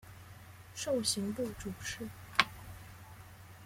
授刑部主事。